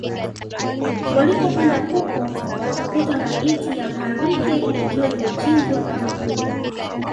Walipokwenda huko wakakuta maiti ya Mhalwike ikiwa imechinjwa kama kuku